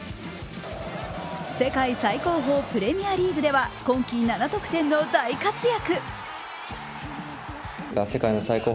世界最高峰プレミアリーグでは今季７得点の大活躍。